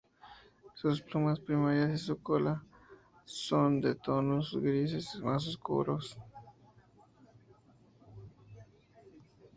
Sus plumas primarias y la cola son de tonos grises más oscuros.